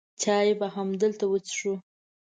چای به هلته وڅېښو.